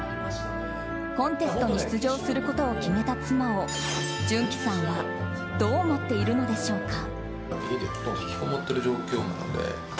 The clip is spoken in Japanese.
コンテストに出場することを決めた妻を潤熙さんはどう思っているのでしょうか。